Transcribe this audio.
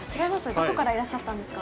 どこからいらっしゃったんですか。